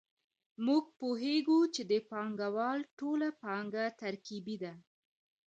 موږ پوهېږو چې د پانګوال ټوله پانګه ترکیبي ده